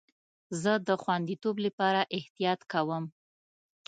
زه د خوندیتوب لپاره احتیاط کوم.